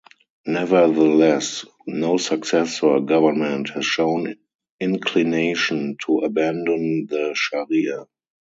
Nevertheless, no successor government has shown inclination to abandon the sharia.